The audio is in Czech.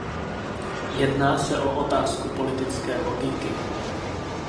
Jedná se o otázku politické logiky.